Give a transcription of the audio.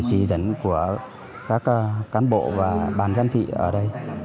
chỉ dẫn của các cán bộ và bàn giám thị ở đây